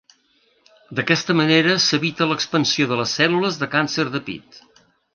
D’aquesta manera s’evita l’expansió de les cèl·lules de càncer de pit.